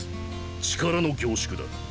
力の凝縮だ。